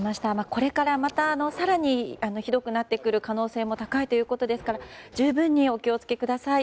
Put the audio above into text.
これからまた更にひどくなってくる可能性も高いということですから十分にお気を付けください。